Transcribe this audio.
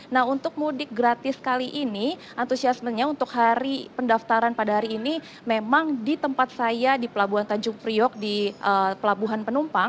nah untuk mudik gratis kali ini antusiasmenya untuk hari pendaftaran pada hari ini memang di tempat saya di pelabuhan tanjung priok di pelabuhan penumpang